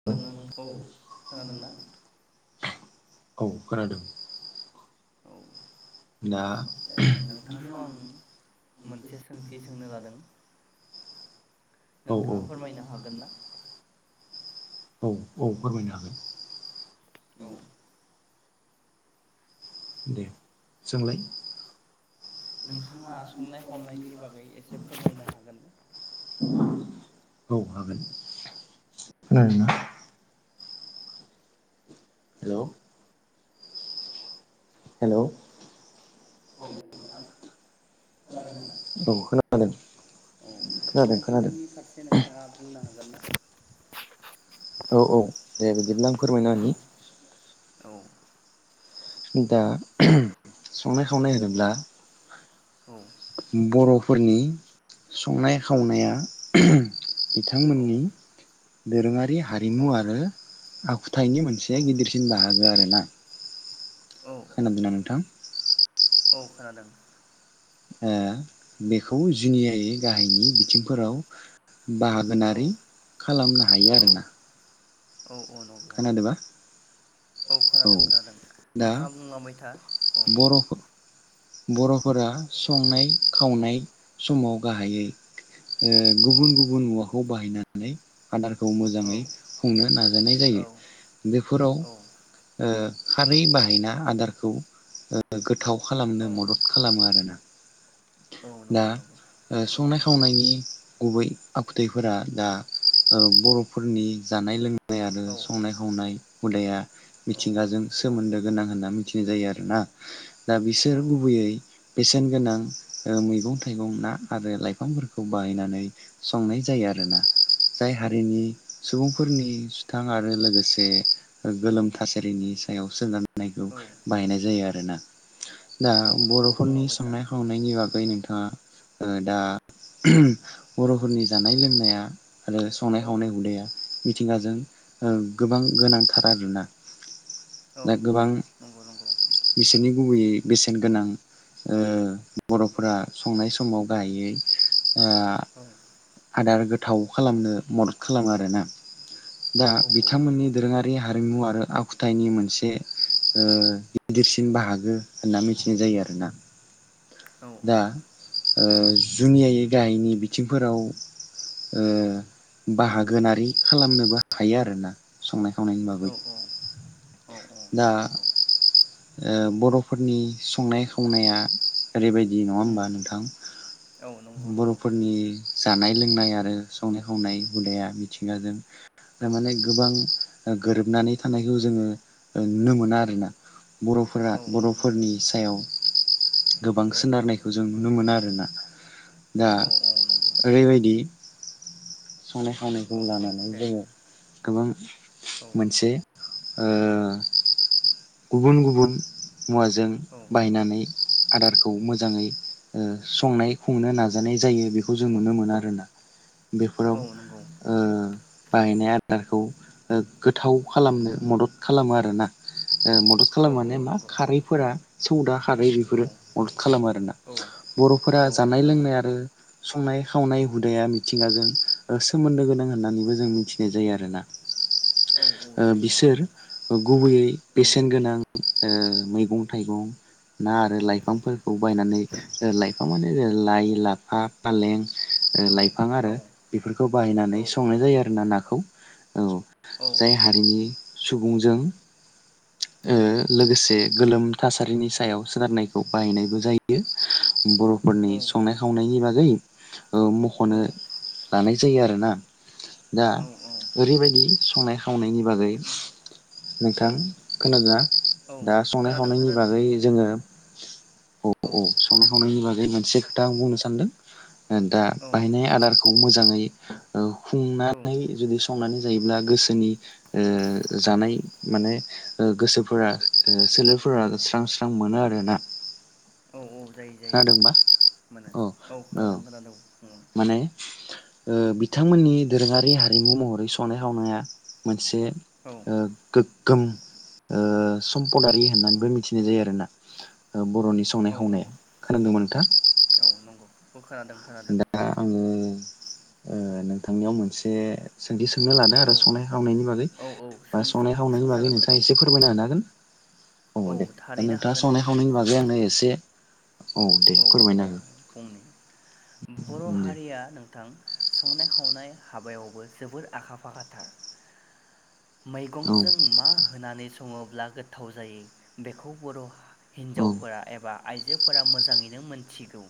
खोनादोंना नोंथां औ खोनादोंना? औ खोनादों। [inaudible] दा नोंथांनियाव आं मोनसे सोंथि सोंनो लादों? औ औ। नोंथाङा फोरमायनो हागोन ना औ औ फोरमायनो हागोन। औ। दे सोंलाय? नोंथाङा संनाय खावनायनि बागै एसे फोरमायनो हागोन। औ हागोन खोनादों ना हेलौ हेलौ खोनादों ना औ खोनादों औ संनाय खोनादों खुरनायनि फारसे नोंथाङा बुंनो हागोन [unintelligible] औ औ दे बिदिब्ला आं फोरमायना औ होनि औ दा संनाय खावनाय होनोब्ला औ बर'फोरनि संनाय खावनाया औ बिथांमोननि दोरोङारि हारिमु आरो आखुथायाइनि मोनसे गिदिरसिन बाहागो आरोना औ औ खोनादोंना नोंथां औ खोनादों ओ बेखौ जुनियायै गाहायनि बिथिंफोराव औ बाहागोनारि खालामनो हायो औ आरोना औ औ नंगौ खोनादोंबा औ खोनादों खोनादों दा नोंथाङा बुंलांबाय था औ बर' बर'फोरा संनाय औ खावनाय समाव गाहायै ओ गुबुन औ गुबुन मुवाखौ खौ बाहायनानै आदारखौ औ मोजाङै खुंनो नाजानाय औ जायो बेफोराव औ ओ खारै बाहायना आदारखौ ओ गोथाव औ खालामनो मदद खालामो आरो ना औ दा नंगौ नंगौ ओ दे संनाय बुंलांबाय था खावनायनि गुबै आखुथायफोरा दा बर'फोरनि जानाय लोंनाय लोंनायानो आरो औ संनाय खावनाय हुदाया औ मिथिंगाजों औ सोमोन्दो गोनां होन्ना मिथि नाय जायो आरो ना दा बिसोर औ गुबैयै बेसेन गोनां ओ मैगं थाइगं ना आरो लाइफांफोरखौ बाहायनानै संनाय जायो आरो ना जाय हारिनि सुबुंफोरनि सुथां आरो लोगोसे गोलोम थासारिनि सायाव सोनाय खौ औ बाहायनाय जायो आरो ना दा औ नंगौ बर'फोरनि बुंलांबाय था संनाय खावनायनि बागै नोंथाङा दा बर'फोरनि जानाय लोंनाया आरो संनाय औ खावनाय हुदाया मिथिंगाजों गोबां गोनांथार आरो ना औ दा औ गोबां नंगौ नंगौ बिसोरनि गुबैयै बेसेन गोनां ओ बर'फोरा संनाय समाव गाहायै ओ औ आदार गो थाव खालामनो मदद खालामो आरो ना दा औ औ बिथांमोननि नंगौ दोरोङारि हारिमु आरो आखुथाइनि मोनसे ओ गिदिरसिन बाहागो होनना मिथिनाय जायो आरो ना औ दा ओ जुनियायै गाहायनि बिथिंफोराव ओ बाहागोनारि खालामनोबो हायो आरो ना संनाय खावनायनि औ बागै औ औ दा बर'फोरनि संनाय खावनाया ओरैबायदि नङा होमबा उम नोंथां औ नंगौ नंगौ बर'फोरनि जानाय लोंनाय आरो संनाय खावनाय हुदाया मिथिंगाजों औ माने गोबां गोरोबनानै थानायखौ जोङो नुनो मोना आरो ना बर'फोरा औ औ मोनो बर'फोरनि सायाव गोबां औ सोनारनायखौ जों नुनो मोनो आरो ना दा औ औ नंगौ ओरैबायदि संनाय खावनायखौ औ लानानै दे जोङो गोबां औ मोनसे ओ गुबुन गुबुन मुवाजों औ बायनानै आदारखौ मोजाङै ओ संनाय खुंनो नाजानाय जायो बेखौ जों नुनो मोनो आरोना बेफोराव औ नंगौ ओ बाहायनाय आदारखौ ओ गोथाव खालामनो मदद खालामो आरोना ओ मदद औ खालामो औ माने मा नंगौ खारैफोरा सौदा खारै औ बेफोरो मदद खालामो आरोना बर'फोरा औ औ जानाय नंगौ लोंनाय आरो संनाय खावनाय हुदाया मिथिंगाजों सोमोनदो गोनां होननानैबो जों मिथिनाय जायो आरोना औ ओ जायो बिसोर गुबैयै जायो बेसेन गोनां ओ मैगं थाइगं ना आरो लाइफांफोरखौ बायनानै ओ लाइफां माने लाइ लाफा पालें ओ लाइफां औ आरो औ बेफोरखौ औ बाहायनानै औ संनाय जायो नंगौ आरोना नाखौ औ औ जाय नंगौ हारिनि सुबुंजों औ ओ लोगोसे गोलोम थासारिनि सायाव सोनारनायखौ बाहायनायबो जायो औ बर'फोरनि संनाय खावनायनि बागै ओ मख'नो लानाय जायो आरोना दा औ ओरैबायदि संनाय खावनायनि बागै औ नोंथां खोनादोना औ दा संनाय खोनादों खावनायनि खोनादों बागै बुंलां जोङो औ औ संनाय खावनायनि बागै बे मोनसे खोथा आं बुंनो सानदों दा औ बायनाय आदारखौ मोजाङै औ औ खुंनानै जुदि संनानै जायोब्ला गोसोनि ओ जानाय माने गोसोफोरा सोलेरफोरा स्रां स्रां मोनो आरोना औ औ जायो जायो जायो खोनादोंबा मोनो औ खोनादों खोनादों फुङाव माने ओ बिथांमोननि दोरोङारि हारिमु महरै संनाय खावनाया मोन नसे औ गो गोम ओ सम्पदारि होननानैबो मिथिनाय जायो आरोना। बर'नि औ संनाय औ खावनाया खोनादोंबा नोंथां। औ नंगौ औ खोनादों खोनादों दा आङो ओ नोंथांनियाव मोनसे सोंथि सों सोंनो लादों औ आरो संनाय खावनायनि बागै औ औ बा सों सों संनाय खावनायनि सोंजागोन बागै नोंथां नोंथाङा एसे फोरमायना होनो हागोन? औ दे दा थारैनो नोंथाङा हागोन संनाय नोंथां खावनायनि औ बागै आंनो एसे औ दे औ फोरमायना हो। बुंनि बर' दे हारिया नोंथां संनाय खावनाय हाबायावबो जोबोर आखा फाखा थार। औ मैगंजों मा होनानै सं सङोब्ला गोथाव जायो बेखौ बर' औ हिन्जावफोरा एबा आइजोफोरा मोजाङैनो मोनथिगौ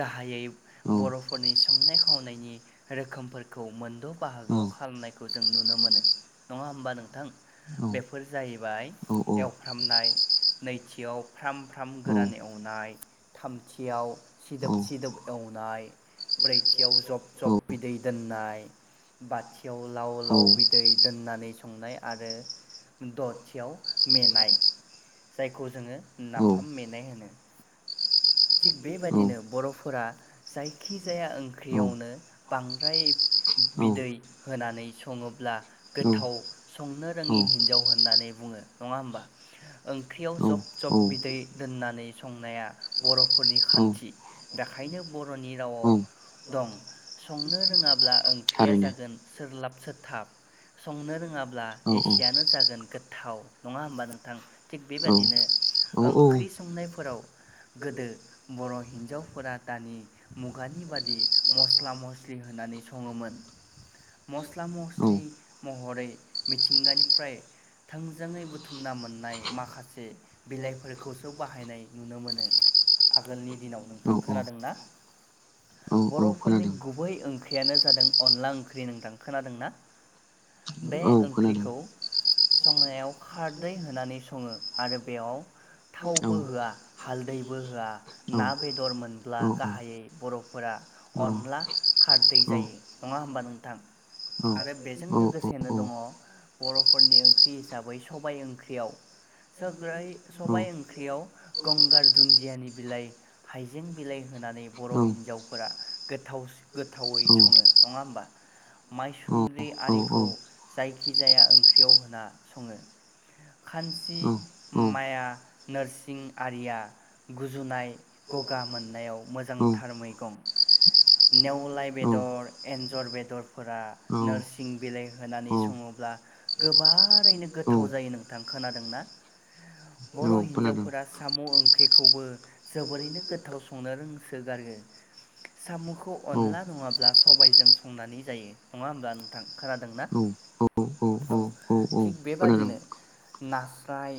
गाहायै औ बर'फोरनि संनाय-खावनाय नि रोखोमफोरखौ मोनद' बाहागोआव खालामनायखौ खौ जों नुनो मोनो। नङा होमबा नोंथां? औ बेफोर जाहैबाय औ एवफ्रामनाय नैथियाव फ्राम फ्राम गोरान एवनाय थामथियाव सिदोब सिदोब एवनाय ब्रैथियाव जब जब बिदै दोननाय बाथि एव लाव लाव बिदै होननानै संनाय आ आरो दथियाव मेनाय जायखौ जोङो नाफाम मेनाय होनो। थिग बेबादिनो बर'फोरा जायखिजाया ओंख्रियावनो बांद्राय बिदै होनानै सङोब्ला। गोथाव संनो रोङि हिनजाव होननानै बुङो नङा होमबा? ओंख्रियाव जब जब औ बिदै दोननानै संनाया बर'फोरनि औ खान्थि बेखायनो बर'नि औ रावाव दं संनो रोङाब्ला ओंख्रिया थारैनो जागोन सोरलाब सोथाब। संनो रोङाब्ला औ औ एखेयानो जागोन गोथाव नङा होमबा नोंथां? थिग औ औ बेबाददिनो औ औ ओंख्रि संनायफोराव गोदो बर' हिनजावफोरा दानि मुगानि बादि मस्ला मस्लि होनानै सङोमोन। औ मस्ला-मस्लि महरै मिथिंगानिफ्राय थोंजोङै बुथुमना मोननाय माखासे बिलाइफोरखौसो बाहायनाय नुनो मोनो आगोलनि दिनाव नोंथां औ खोनादोंना औ औ बर'फोरनि खोनादों गुबै ओंख्रियानो जादों अनला ओंख्रि नोंथां खोनादोंना? बे औ खोनादों ओंख्रिखौ संनायाव खारदै होनानै सङो आरो बेयाव औ थावबो होआ हालदैबो होआ ना बेदर मोनब्ला गाहायै बर'फोरा अनला खारदै जायो नङा होमबा नोंथां आरो बे जों लोगोसेनो दङ बर'फोरनि ओंख्रि हिसाबै सबाय ओंख्रियाव साय सबाय ओंख्रियाव गंगार दुन्दियानि बिलाइ हाइजें बिलाइ होनानै बर' हिनजावफोरा गोथावस-गोथावै सङो नङा होमबा? मायसुंद्रि आरिखौ जायखिजाया ओंख्रियाव होना सङो खानसि माया नोरसिं आरिया गुजुनाय गगा मोननायाव मोजांथार मैगं। नेवलाय बेदर एन्जर बेदरफोरा नोरसिं बिलाइ होनानै सङोब्ला गोबारैनो औ गोथाव जायो नोंथां खोनादोंना? बर' खोनादों हिनजावफोरा साम' ओंख्रिखौबो जोबोरैनो गोथाव संनो रोंसोगारो साम'खौ औ अनला नङाब्ला सबायजों संनानै जायो नङा होमब्ला नोंथां खोनादोंना? औ औ औ औ औ थिग खोनादों बेबादिनो नास्राय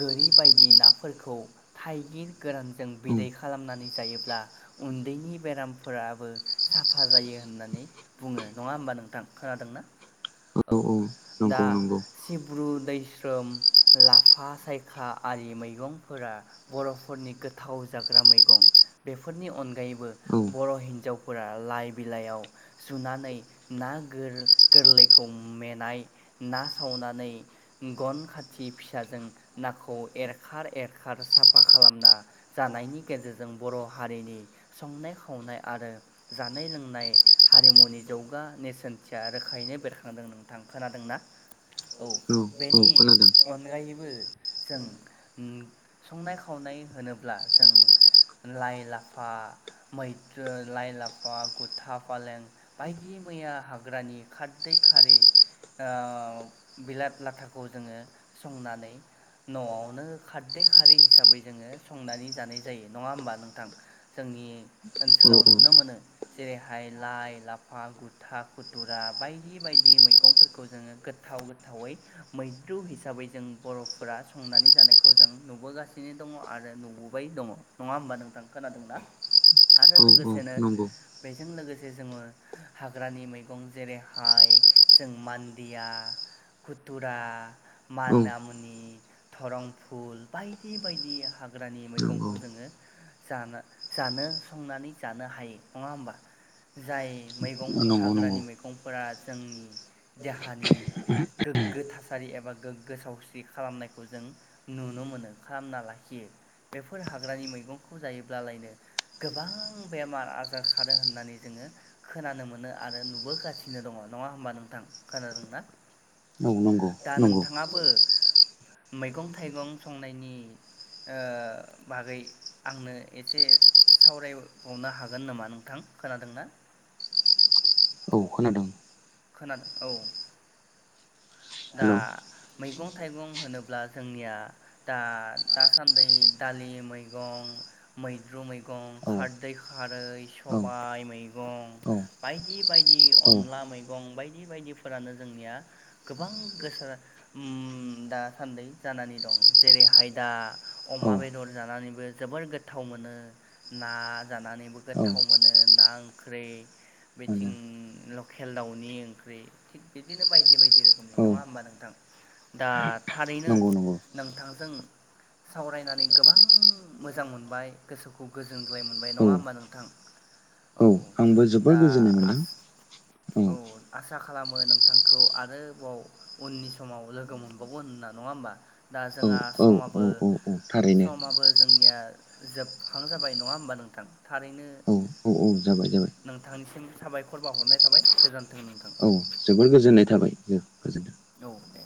गोरि बायदि नाफोरखौ थाइगिर गोरानजों बिदै औ औ खालामनानै जायोब्ला उन्दैनि बेराम फोराबो साफा जायो होननानै बुङो नङा होमबा नोंथां खोनादोंना? औ नंगौ दा सिब्रु दैस्रोम लाफा सायखा आरि मैगंफोरा बर'फोरनि गोथाव जाग्रा मैगं बेफोरनि अनगायैबो औ बर' हिन्जावफोरा लाइ बिलाइयाव सुनानै ना गोर-गोरलैखौ खौ मेनाय ना सावनानै गन खाथि फिसाजों नाखौ एरखार एरखार साफा खालामना जानायनि गेजेरजों बर' हारिनि संनाय खावनाय आरो जानाय लोंनाय हारिमुनि जौगा नेरसोनथिया रोखायैनो बेरखां दों। नोंथां खोनादोंना? औ बेनि औ खोनादों अनगायैबो जों ओ संनाय खावनाय होनोब्ला जों लाइ लाफा मैद्रु लाइ लाफा गुथा फालें बायदि मैया हाग्रानि खारदै खारै ओ बिलात लाथाखौ जोङो संनानै न'आवनो खारदै खारै हिसाबै जोङो संनानै जानाय जायो। नङा होमबा नोंथां? जोंनि औ औ ओनसोलाव नुनो मोनो। जेरैहाय लाइ लाफा गुथा खुथुरा बायदि बायदि मैगंफोरखौ जोङो गोथाव गोथावै मैद्रु हिसाबै जों बर'फोरा संनानै जानायखौ जों नुबोगासिनो दङ आरो नुबोबाय दङ। नङा होमबा नोंथां? खोनादोंना? आरो औ लोगोसेनो नंगौ बेजों लोगोसे जोङो हाग्रानि मैगं जेरै हा हाय जों मान्दिया खुथुरा औ माना मुनि धरंफुल बायदि बायदि हाग्रानि नंगौ मैगंखौ जोङो जा- जानो संनानै जानो हायो नङा होमबा जाय मैगं नंगौ नंगौ हाग्रानि मैगं। फोरा जोंनि देहानि गोग्गो थासारि एबा गोग्गो सावस्रि खालामनायखौ जों नुनो मोनो खालामना लाखियो बेफोर हाग्रानि मैगंखौ जायोब्लालायनो गोबां बेमार आजार खादों होननानै जोङो खोनानो मोनो आरो नुबोगासि नो दङ नङा होमबा नोंथां खोनादोंना? औ नंगौ दा नंगौ नोंथाङाबो मैगं थाइगं संनायनि ओ बागै आंनो एसे सावरायबावनो हागोन नामा नोंथां खोनादोंना? औ खोनादों खोनादों औ। दा हेल' औ मैगं थाइगं होनोब्ला जोंनिया दा दासान्दि दालि मैगं मैद्रु मैगं खारदै खारै औ सबाय मैगं बायदि बायदि औ अनला मैगं बायदि बायदिफोरानो जोंनिया गोबां गोसार ओम दा सान्दै जानानै दं जेरैहाय दा औ अमा बेदर जानानैबो जोबोर गोथाव मोनो ना जानानैबो औ गोथाव मोनो ना ओंख्रि बेथिं मोनो लकेल दाउनि ओंख्रि थिग बिदिनो बायदि बायदि रोखोम औ नङा होमबा नोंथां? दा थारैनो नंगौ नंगौ नोंथांजों सावरायनानै गोबां मोजां मोनबाय गोसोखौ गोजोनग्लाय मोनबाय औ नङा होमबा नोंथां? औ आंबो जोबोर दा गोजोननाय मोनदों औ सा खालामो नोंथांखौ आरो बाव उननि समाव लोगो मोनबावगोन होनना नङा होमबा दा जोंहा औ औ समाबो औ औ थारैनो समाबो जोंनिया जोबहां जाबाय नङा होमबा नोंथां थारैनो औ औ औ जाबाय जाबाय नोंथांनिसिम साबायखर बाव हरनाय थाबाय गोजोन्थों नोंथां। औ जोबोर गोजोननाय थाबाय जो-गोजोनथों औ दे।